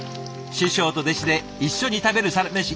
師匠と弟子で一緒に食べるサラメシ。